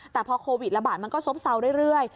แต่พอโควิดระบาดมันก็ซบเซาเรื่อย